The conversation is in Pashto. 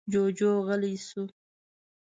جوجو غلی شو.